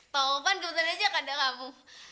tau pan kebetulan aja kandang kamu